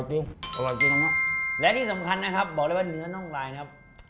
ดูอร่อยจริงนะและที่สำคัญนะครับบอกเลยว่าเนื้อน่องลายนะครับ